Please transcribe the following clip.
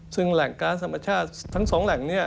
ซึ่งแหล่งการ์ดสมาชาติทั้ง๒แหล่งนี้